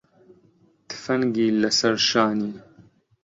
تفەنگی لەسەر شانی